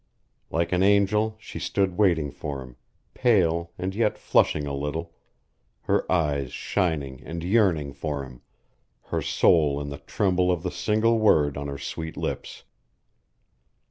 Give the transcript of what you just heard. Like an angel she stood waiting for him, pale and yet flushing a little, her eyes shining and yearning for him, her soul in the tremble of the single word on her sweet lips.